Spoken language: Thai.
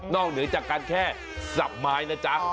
เหนือจากการแค่สับไม้นะจ๊ะ